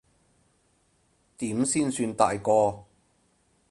點先算大個？